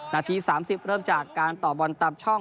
นาที๓๐เริ่มจากการต่อบอลตามช่อง